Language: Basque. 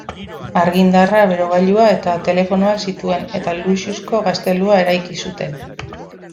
Argi-indarra, berogailua eta telefonoak zituen eta luxuzko gaztelua eraiki zuten.